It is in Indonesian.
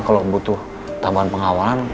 kalau butuh tambahan pengawalan